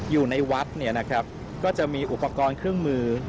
อยู่ในวัดเนี่ยนะครับก็จะมีอุปกรณ์เครื่องมือ